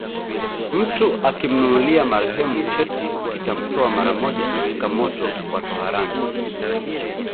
Mtu akimnunulia marehemu cheti kitamtoa mara moja katika moto wa toharani